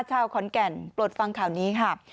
ชาวขอนแก่นปลดฟังข่าวนี้ค่ะ